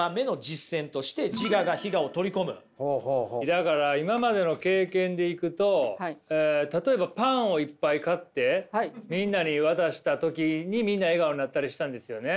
だから今までの経験でいくと例えばパンをいっぱい買ってみんなに渡した時にみんな笑顔になったりしたんですよね？